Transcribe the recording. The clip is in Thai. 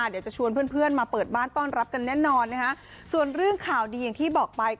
เดี๋ยวจะชวนเพื่อนเพื่อนมาเปิดบ้านต้อนรับกันแน่นอนนะคะส่วนเรื่องข่าวดีอย่างที่บอกไป